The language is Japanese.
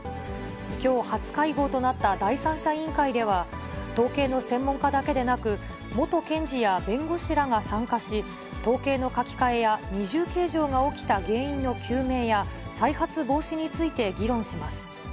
きょう初会合となった第三者委員会では、統計の専門家だけでなく、元検事や弁護士らが参加し、統計の書き換えや、二重計上が起きた原因の究明や、再発防止について議論します。